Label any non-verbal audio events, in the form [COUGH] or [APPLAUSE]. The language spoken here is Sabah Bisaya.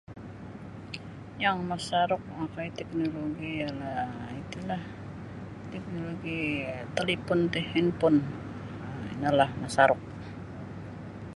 Yang masaruk [UNINTELLIGIBLE] teknologi ialah iti lah teknologi talipun ti handphone um ino lah masaruk.